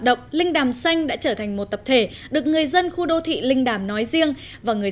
động linh đàm xanh đã trở thành một tập thể được người dân khu đô thị linh đàm nói riêng và người